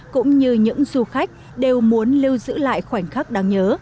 cũng như những du khách đều muốn lưu giữ lại khoảnh khắc đáng nhớ